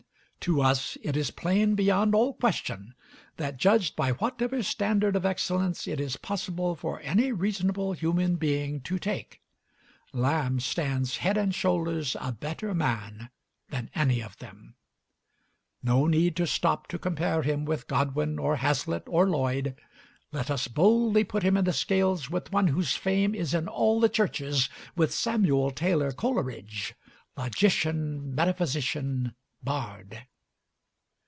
To us it is plain beyond all question that, judged by whatever standard of excellence it is possible for any reasonable human being to take, Lamb stands head and shoulders a better man than any of them. No need to stop to compare him with Godwin, or Hazlitt, or Lloyd; let us boldly put him in the scales with one whose fame is in all the churches with Samuel Taylor Coleridge, "logician, metaphysician, bard."